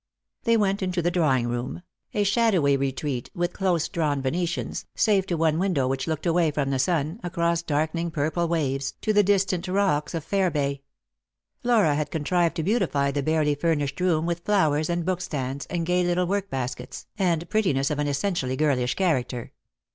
They went into the drawing room; a shadowy retreat, with close drawn Venetians, save to one window which looked away from the sun, across darkening purple waves, to the distant racks of Fairbay. Flora had contrived to beautify the barely fiirnished room with flowers and bookstands and gay little work baskets, and prettinesses of an essentially girlish character.